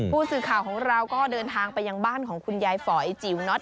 ผู้สื่อข่าวของเราก็เดินทางไปยังบ้านของคุณยายฝอยจิ๋วน็อต